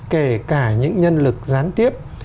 kể cả những nhân lực gián tiếp